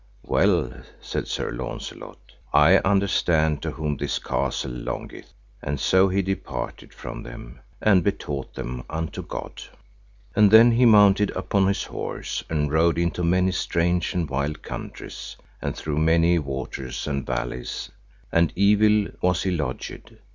Well, said Sir Launcelot, I understand to whom this castle longeth; and so he departed from them, and betaught them unto God. And then he mounted upon his horse, and rode into many strange and wild countries, and through many waters and valleys, and evil was he lodged.